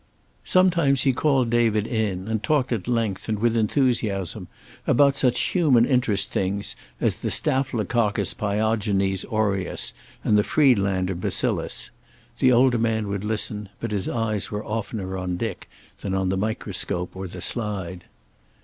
Sometimes he called David in, and talked at length and with enthusiasm about such human interest things as the Staphylococcus pyogenes aureus, and the Friedlander bacillus. The older man would listen, but his eyes were oftener on Dick than on the microscope or the slide.